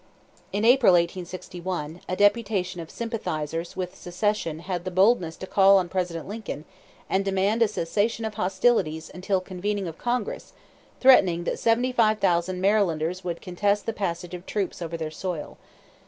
In April, 1861, a deputation of sympathizers with secession had the boldness to call on President Lincoln and demand a cessation of hostilities until convening of Congress, threatening that seventy five thousand Marylanders would contest the passage of troops over their soil.